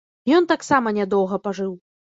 Ён таксама нядоўга пажыў.